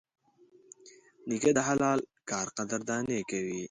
نیکه د حلال کار قدرداني کوي.